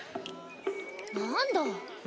なんだ。